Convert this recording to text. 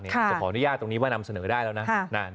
จะขออนุญาตตรงนี้ว่านำเสนอได้แล้วนะ